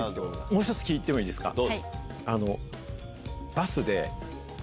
もう一つ聞いてもいいですか？